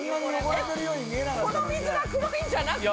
この水が黒いんじゃなくて？